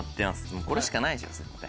もうこれしかないでしょ絶対。